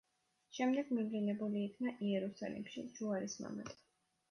შემდეგ მივლინებული იქნა იერუსალიმში „ჯუარის მამად“.